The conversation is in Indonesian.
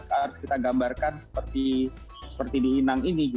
harus kita gambarkan seperti di inang ini